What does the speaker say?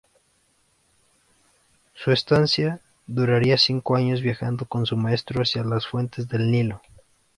Su estancia duraría cinco años, viajando con su maestro hacia las fuentes del Nilo.